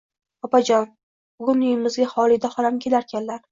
Opajon, bugun uyimizga Xolida xolam kelarkanlar